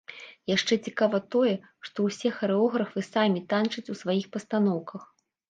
Яшчэ цікава тое, што ўсе харэографы самі танчаць у сваіх пастаноўках.